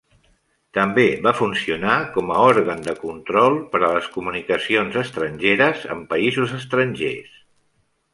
També va funcionar com a "òrgan de control" per a les comunicacions estrangeres amb països estrangers.